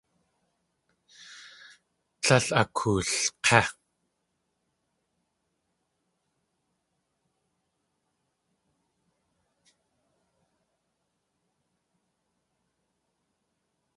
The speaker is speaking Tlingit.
Tlél akoolk̲é.